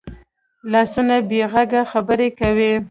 لاسونه بې غږه خبرې کوي